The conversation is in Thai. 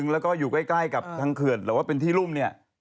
แล้วก็อยู่ใกล้กับทางเขื่อนหรือว่าเป็นที่รุ่มเนี่ย